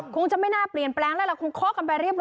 คงไม่น่าเปลี่ยนแปลงอาคารคงค้อกันไปเรียบร้อย